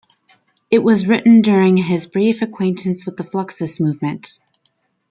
It was written during his brief acquaintance with the Fluxus movement.